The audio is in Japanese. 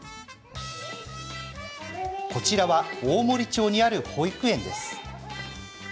こちらは大森町にある保育園です。